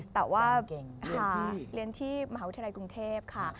แต่ว่าเรียนที่มหาวิทยาลัยกรุงเทพค่ะ